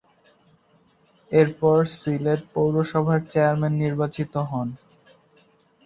এরপর সিলেট পৌরসভার চেয়ারম্যান নির্বাচিত হন।